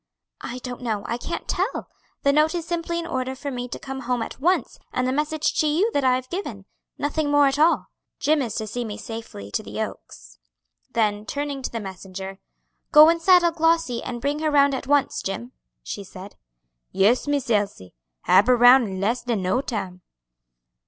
"I don't know, I can't tell. The note is simply an order for me to come home at once and the message to you that I have given; nothing more at all. Jim is to see me safely to the Oaks." Then turning to the messenger, "Go and saddle Glossy, and bring her round at once, Jim," she said. "Yes, Miss Elsie, hab her roun' in less dan no time."